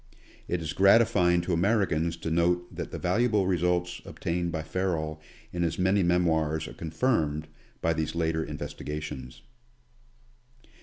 It is gratifying to Americans to note that the valuable results obtained, by Ferrel in his many memoirs are confirmed by these later investi gations.